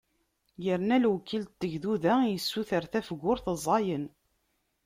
Yerna lewkil n tegduda yessuter tafgurt ẓẓayen.